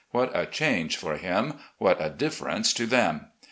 What a change for him; what a difference to them!